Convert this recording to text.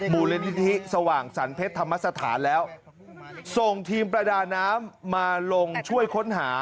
มูลนิธิสว่างสรรเพชรธรรมสถานแล้วส่งทีมประดาน้ำมาลงช่วยค้นหา